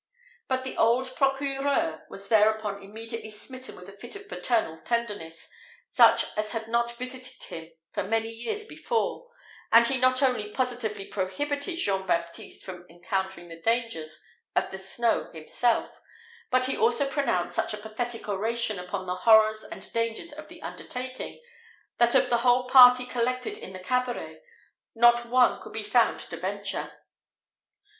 But the old procureur was thereupon immediately smitten with a fit of paternal tenderness, such as had not visited him for many years before; and he not only positively prohibited Jean Baptiste from encountering the dangers of the snow himself, but he also pronounced such a pathetic oration upon the horrors and dangers of the undertaking, that of the whole party collected in the cabaret not one could be found to venture.